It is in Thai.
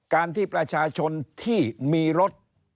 การที่ประชาชนที่มีรถ